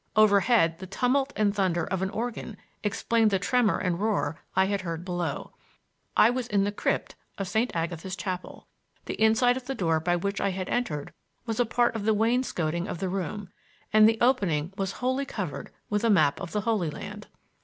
Overhead the tumult and thunder of an organ explained the tremor and roar I had heard below. I was in the crypt of St. Agatha's chapel. The inside of the door by which I had entered was a part of the wainscoting of the room, and the opening was wholly covered with a map of the Holy Land.